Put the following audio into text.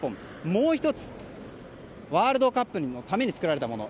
もう１つワールドカップのために作られたもの